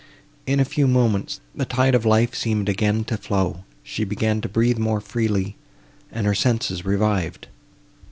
In a few moments, the tide of life seemed again to flow; she began to breathe more freely, and her senses revived.